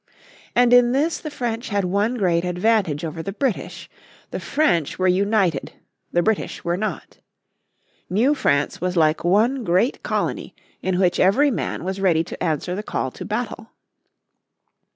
And in this the French had one great advantage over the British. The French were united, the British were not. New France was like one great colony in which every man was ready to answer the call to battle.